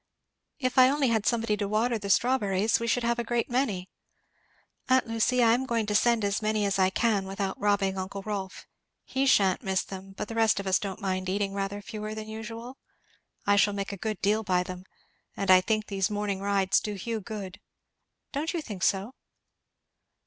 If I only had somebody to water the strawberries! we should have a great many. Aunt Lucy, I am going to send as many as I can without robbing uncle Rolf he sha'n't miss them; but the rest of us don't mind eating rather fewer than usual? I shall make a good deal by them. And I think these morning rides do Hugh good; don't you think so?"